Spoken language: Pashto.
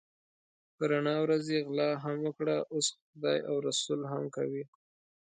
په رڼا ورځ یې غلا هم وکړه اوس خدای او رسول هم کوي.